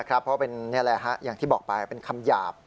เพราะเป็นอย่างที่บอกไปเป็นคำหยาบ